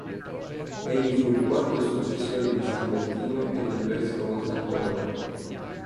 Egli fu il quarto successore di san Bertino e del vescovo sant'Omer.